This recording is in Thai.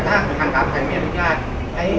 เพราะฉะนั้นถ้าเกิดสมมติไม่ต่อให้